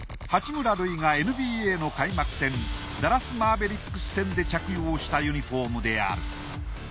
八村塁がＮＢＡの開幕戦ダラス・マーベリックス戦で着用したユニフォームである。